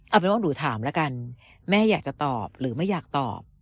เอาเป็นว่าหนูถามแล้วกันแม่อยากจะตอบหรือไม่อยากตอบ